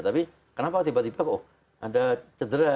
tapi kenapa tiba tiba kok ada cedera